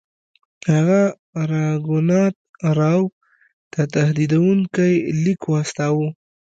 هغه راګونات راو ته تهدیدونکی لیک واستاوه.